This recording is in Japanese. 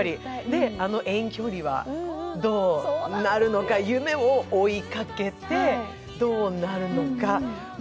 あの遠距離はどうなるのか、夢を追いかけてどうなるのか。